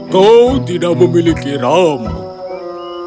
kau tidak memiliki rambut